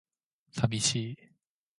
寂しい